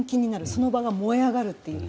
その場が燃え上がるという。